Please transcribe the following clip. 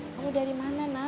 kamu dari mana nak